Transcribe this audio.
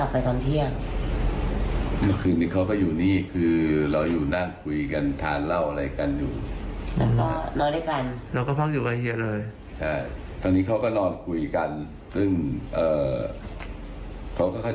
พอเลยโอเคกันนะครับ